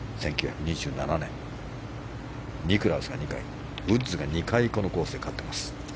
１９２７年ニクラウスが２回ウッズが２回このコースで勝っています。